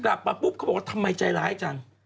กลับมาปุ๊บเขาบอกว่าทำไมใจร้ายจัง